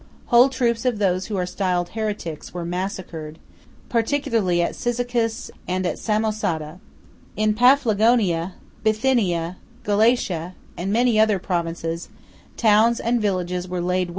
Whole troops of those who are styled heretics, were massacred, particularly at Cyzicus, and at Samosata. In Paphlagonia, Bithynia, Galatia, and in many other provinces, towns and villages were laid waste, and utterly destroyed."